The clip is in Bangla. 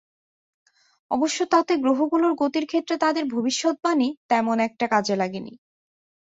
অবশ্য তাতে গ্রহগুলোর গতির ক্ষেত্রে তাঁদের ভবিষ্যদ্বাণী তেমন একটা কাজে লাগেনি।